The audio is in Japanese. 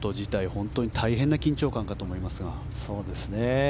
本当に大変な緊張感かと思いますが。